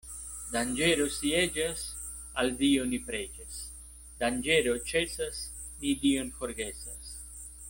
Danĝero sieĝas, al Dio ni preĝas; danĝero ĉesas, ni Dion forgesas.